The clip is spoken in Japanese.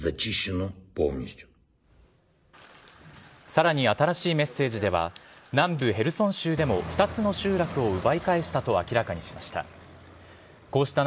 さらに新しいメッセージでは、南部ヘルソン州でも２つの集落を奪い返したと明らかにしました。